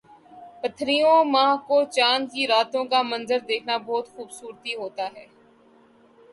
پرتھویں ماہ کو چاند کی راتوں کا منظر دیکھنا بہت خوبصورتی ہوتا ہے